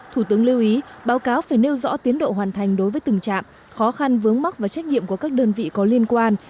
thủ tướng lưu ý báo cáo phải nêu rõ tiến độ hoàn thành đối với tình trạng khó khăn vướng mắc và trách nhiệm của các đơn vị có liên quan